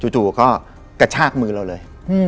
จู่ก็กระชากมือเราเลย